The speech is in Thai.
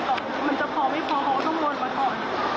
แต่มาวันนี้มันไม่มีมันไม่มี